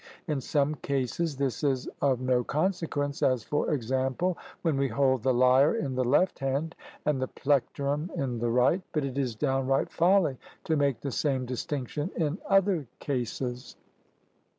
In some cases this is of no consequence, as, for example, when we hold the lyre in the left hand, and the plectrum in the right, but it is downright folly to make the same distinction in other cases.